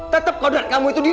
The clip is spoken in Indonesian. tetep kodat kamu itu di dapur